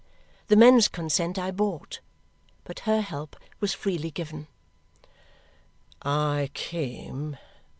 The men's consent I bought, but her help was freely given. "'I came.'